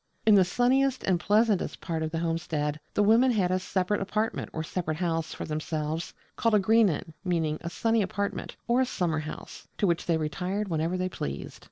In the sunniest and pleasantest part of the homestead the women had a separate apartment or a separate house for themselves, called a 'Greenan' meaning a 'sunny apartment' or a summer house; to which they retired whenever they pleased.